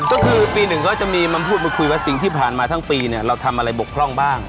ก็คือปีหนึ่งก็จะมีมาพูดมาคุยว่าสิ่งที่ผ่านมาทั้งปีเนี่ยเราทำอะไรบกพร่องบ้าง